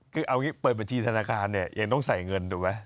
คือเอางี้เปิดบัญชีธนาคารเนี่ยยังต้องใส่เงินถูกไหม